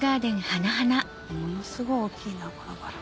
ものすごい大きいなこのバラ。